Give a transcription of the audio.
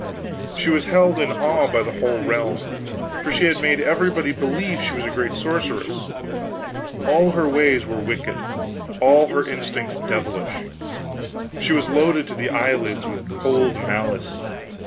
She was held in awe by the whole realm, for she had made everybody believe she was a great sorceress. All her ways were wicked, all her instincts devilish. She was loaded to the eyelids with cold malice.